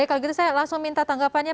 kalau gitu saya langsung minta tanggapannya